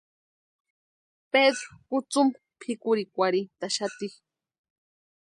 Pedru kutsumu pʼikurhikwarintʼaxati.